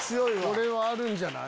これはあるんじゃない？